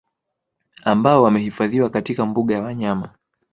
Ambao wamehifadhiwa katika mbuga ya wanyama